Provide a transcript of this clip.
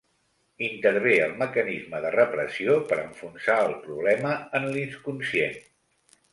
Intervé el mecanisme de repressió per enfonsar el problema en l'inconscient.